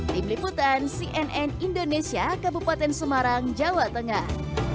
di meliputan cnn indonesia kabupaten semarang jawa tengah